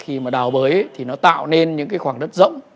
khi mà đào bới thì nó tạo nên những cái khoảng đất rộng